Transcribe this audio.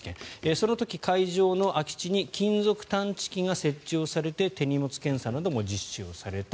その時、会場の空き地に金属探知機が設置されて手荷物検査なども実施された。